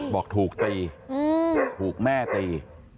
บอกถูกตีถูกแม่ตี